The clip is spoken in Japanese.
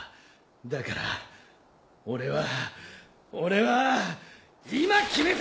だから俺は俺は今決めた！